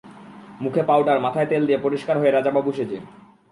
মুখে পাউডার, মাথায় তেল দিয়ে, পরিষ্কার হয়ে, রাজাবাবু সেজে।